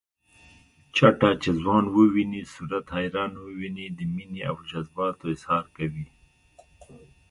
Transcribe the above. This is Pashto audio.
چټه چې ځوان وويني صورت حیران وويني د مینې او جذباتو اظهار کوي